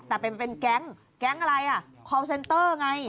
แต่เป็นแก๊งแก๊งอะไรอ่ะคอลเซนเตอร์ไง